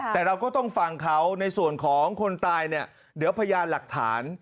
แต่เราก็ต้องฟังเขาในส่วนของคนตายเนี่ยเดี๋ยวพยานหลักฐาน